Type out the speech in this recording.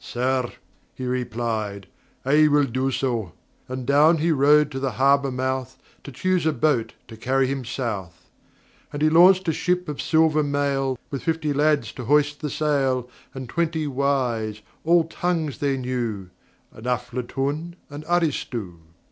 "Sir," he replied, "I will do so." And down he rode to the harbour mouth, To choose a boat to carry him South. And he launched a ship of silver mail, With fifty lads to hoist the sail, And twenty wiseâall tongues they knew, And Aflatun, and Aristu.